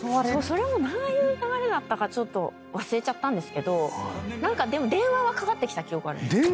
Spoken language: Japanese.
それも何の流れだったかちょっと忘れちゃったんですけど何かでも電話はかかってきた記憶ある。